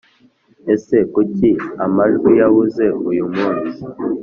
ese kuki amajwi yabuze uyu munsi